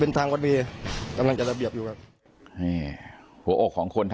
เป็นทางวันวีกำลังจัดระเบียบอยู่นะหัวอกของคนทำ